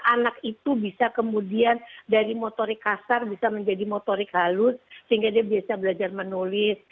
anak itu bisa kemudian dari motorik kasar bisa menjadi motorik halus sehingga dia biasa belajar menulis